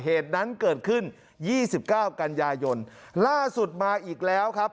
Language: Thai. เหตุนั้นเกิดขึ้นยี่สิบเก้ากันยายนล่าสุดมาอีกแล้วครับ